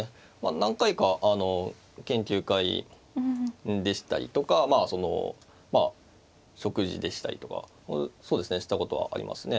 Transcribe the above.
何回か研究会でしたりとか食事でしたりとかそうですねしたことはありますね。